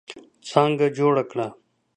څانګه جوړه کړه.